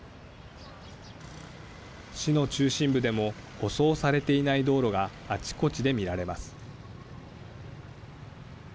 市の中心部でも舗装されていない道路があちこちで見られます。